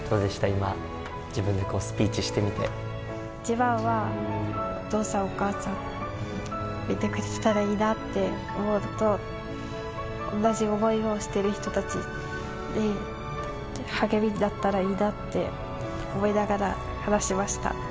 今、自分でスピ一番はお父さん、お母さん、見てくれてたらいいなって思うのと、同じ思いをしている人たちに、励みになったらいいなって思いながら話しました。